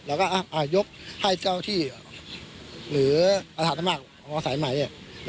เราก็อยกให้เก้าที่หรืออาหารธรรมน์หอศัยใหม่